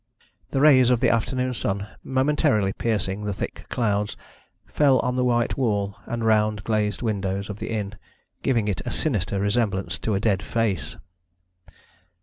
The rays of the afternoon sun, momentarily piercing the thick clouds, fell on the white wall and round glazed windows of the inn, giving it a sinister resemblance to a dead face.